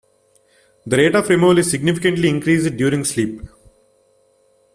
The rate of removal is significantly increased during sleep.